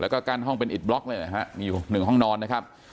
แล้วก็กั้นห้องเป็นอิดบล็อกเลยนะฮะมีอยู่หนึ่งห้องนอนนะครับ